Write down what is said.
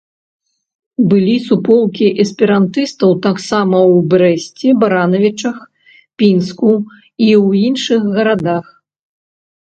Былі суполкі эсперантыстаў таксама ў Брэсце, Баранавічах, Пінску і ў іншых гарадах